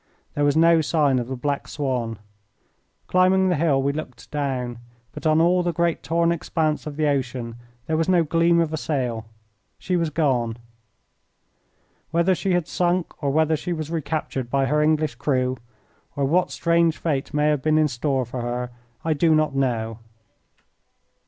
There was no sign of the Black Swan. Climbing the hill we looked down, but on all the great torn expanse of the ocean there was no gleam of a sail. She was gone. Whether she had sunk, or whether she was recaptured by her English crew, or what strange fate may have been in store for her, I do not know.